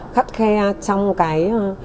khắt khe trong cái